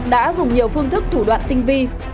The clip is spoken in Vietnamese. đã dùng nhiều phương thức thủ đoạn tinh vi